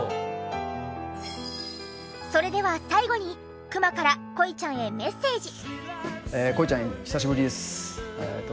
それでは最後にクマからこいちゃんへメッセージ。